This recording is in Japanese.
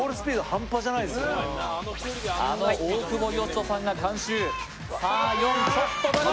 あの大久保嘉人さんが監修。